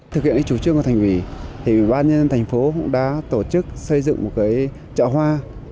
thực hiện cái chủ trương của thành phố thì bán nhân thành phố đã tổ chức xây dựng một cái chợ hoa